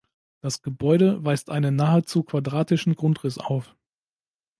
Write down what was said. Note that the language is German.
Das Gebäude weist einen nahezu quadratischen Grundriss auf.